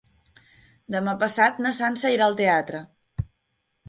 Demà passat na Sança irà al teatre.